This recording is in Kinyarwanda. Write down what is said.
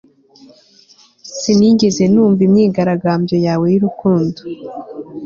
sinigeze numva imyigaragambyo yawe y'urukundo